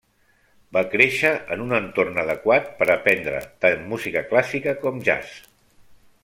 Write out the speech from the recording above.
Va créixer en un entorn adequat per aprendre tant música clàssica com jazz.